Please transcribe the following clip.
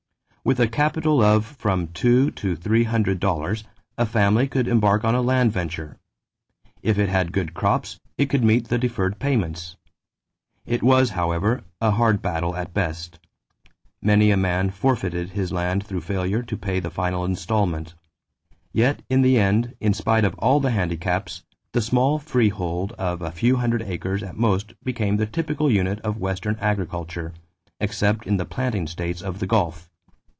With a capital of from two to three hundred dollars a family could embark on a land venture. If it had good crops, it could meet the deferred payments. It was, however, a hard battle at best. Many a man forfeited his land through failure to pay the final installment; yet in the end, in spite of all the handicaps, the small freehold of a few hundred acres at most became the typical unit of Western agriculture, except in the planting states of the Gulf.